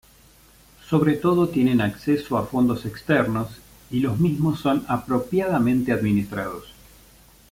Sobre todo tienen acceso a fondos externos y los mismos son apropiadamente administrados.